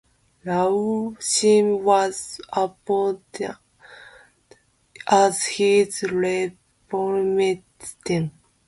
Raul Siem was appointed as his replacement.